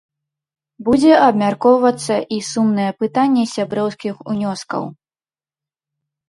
Будзе абмяркоўвацца і сумнае пытанне сяброўскіх унёскаў.